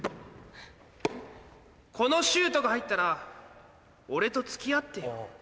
このシュートが入ったら俺と付き合ってよ。